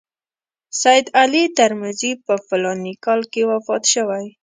سید علي ترمذي په فلاني کال کې وفات شوی.